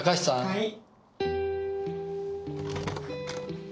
はい。